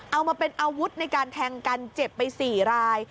เอามาเป็นอาวุธในการแทงกันเจ็บไป๔ราย